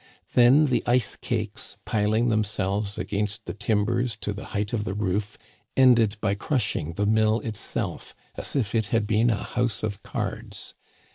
Then the ice cakes, pil ing themselves against the timbers to the height of the roof, ended by crushing the mill itself as if it had been a house of cards.